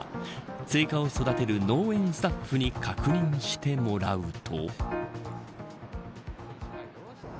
スイカを育てる農園スタッフに確認してもらうと。